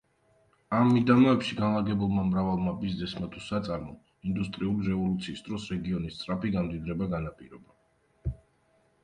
ამ მიდამოებში განლაგებულმა მრავალმა ბიზნესმა თუ საწარმომ ინდუსტრიული რევოლუციის დროს რეგიონის სწრაფი გამდიდრება განაპირობა.